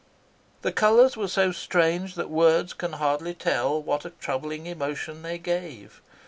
The colours were so strange that words can hardly tell what a troubling emotion they gave.